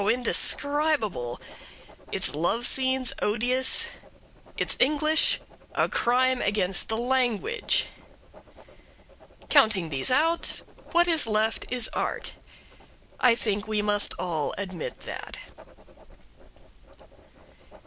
indescribable; its love scenes odious; its English a crime against the language. Counting these out, what is left is Art. I think we must all admit that.